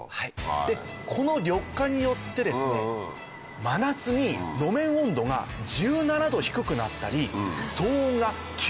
この緑化によって真夏に路面温度が１７℃低くなったり騒音が９